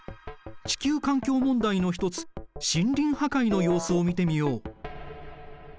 地球環境問題の一つ森林破壊の様子を見てみよう。